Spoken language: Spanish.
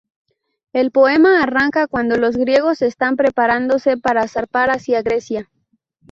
El poema arranca cuando los griegos están preparándose para zarpar hacia Grecia.